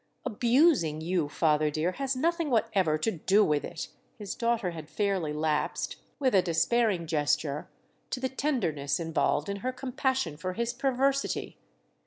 "'Abusing' you, father dear, has nothing whatever to do with it!"—his daughter had fairly lapsed, with a despairing gesture, to the tenderness involved in her compassion for his perversity.